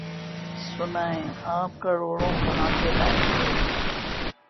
جناب پرویز رشید! سنائیں !آپ کروڑوں کہاں سے لائیں گے؟